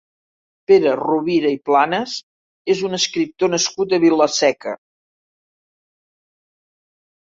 Pere Rovira i Planas és un escriptor nascut a Vila-seca.